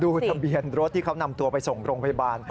ทะเบียนรถที่เขานำตัวไปส่งโรงพยาบาล